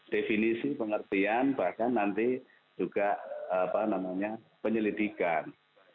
definisi pengertian bahkan nanti juga apa namanya penyelidikan